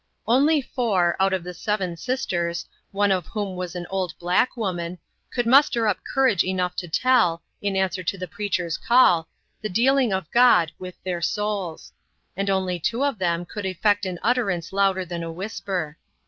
Only four, out of the seven sisters, one of whom was an old black woman, could muster up courage enough to tell, in answer to the preacher's call, the "dealing of God" with their souls; and only two of them could effect an utterance louder than a whisper.